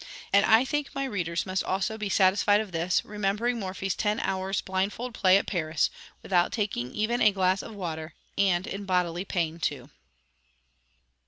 And I think my readers must also be satisfied of this, remembering Morphy's ten hours' blindfold play at Paris, without taking even a glass of water, and in bodily pain, too.